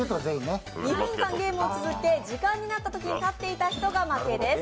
２分間ゲームを続けて、時間になったときに立っていた人が負けです。